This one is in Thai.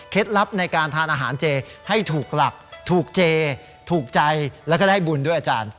ลับในการทานอาหารเจให้ถูกหลักถูกเจถูกใจแล้วก็ได้บุญด้วยอาจารย์